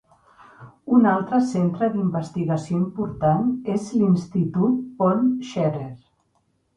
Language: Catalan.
Un altre centre d'investigació important és l'Institut Paul Scherrer.